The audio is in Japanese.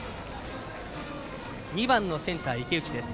２番のセンター、池内です。